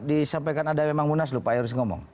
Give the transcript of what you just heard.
disampaikan ada memang munaslu pak yoris ngomong